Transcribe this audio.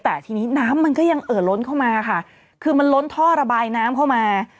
แต่ทีนี้น้ำมันก็ยังเอ่อล้นเข้ามาค่ะคือมันล้นท่อระบายน้ำเข้ามา